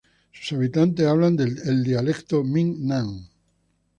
Sus habitantes hablan el dialecto Min Nan.